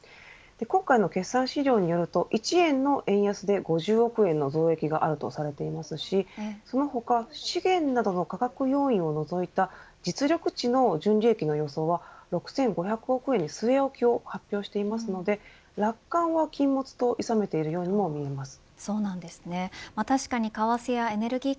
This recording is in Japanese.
今回の決算資料によると１円の円安で５０億円の増益があるとされていますし、その他資源などの価格要因を除いた実力値の純利益の予想は６５００億円に据え置きを発表していますので楽観は禁物といさめているようにも見えます。